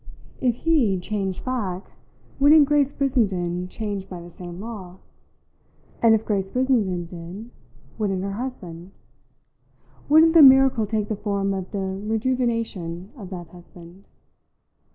If he "changed back," wouldn't Grace Brissenden change by the same law? And if Grace Brissenden did, wouldn't her husband? Wouldn't the miracle take the form of the rejuvenation of that husband?